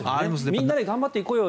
みんなで頑張っていこうよ